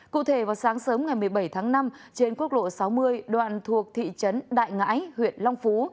cụ thể vào sáng sớm ngày một mươi bảy tháng năm trên quốc lộ sáu mươi đoạn thuộc thị trấn đại ngãi huyện long phú